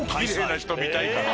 きれいな人見たいから？